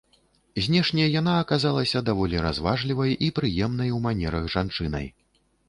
Знешне яна аказалася даволі разважлівай і прыемнай у манерах жанчынай.